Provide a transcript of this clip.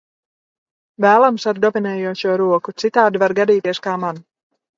Vēlams ar dominējošo roku, citādi var gadīties, kā man.